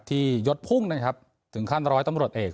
ที่ยดพุ่งถึงขั้นร้อยตำรวจเอก